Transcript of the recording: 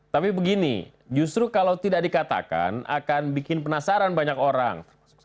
tapi begini justru kalau tidak dikatakan akan bikin penasaran banyak orang